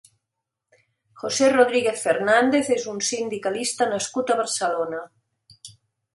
José Rodríguez Fernández és un sindicalista nascut a Barcelona.